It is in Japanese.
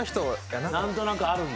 何となくあるんだ。